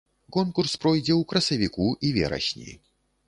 Конкурс пройдзе ў красавіку і верасні.